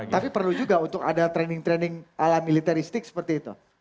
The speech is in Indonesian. tapi perlu juga untuk ada training training ala militaristik seperti itu